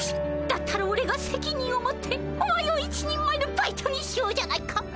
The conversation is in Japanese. だったらおれがせきにんを持ってお前を一人前のバイトにしようじゃないか。